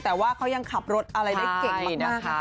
แต่ว่าเขายังขับรถอะไรได้เก่งมากนะคะ